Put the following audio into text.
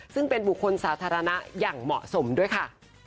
ซึ่งเป็นบุคคลสาธารณะอย่างเหมาะสมด้วยค่ะ